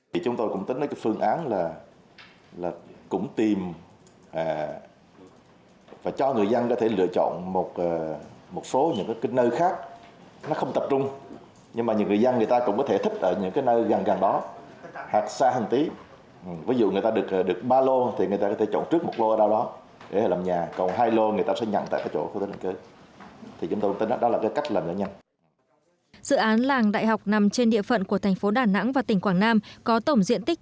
dự án làng đại học nằm trên địa phận của thành phố đà nẵng và tỉnh quảng nam có tổng diện tích